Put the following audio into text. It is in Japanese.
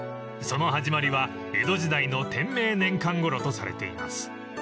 ［その始まりは江戸時代の天明年間頃とされています］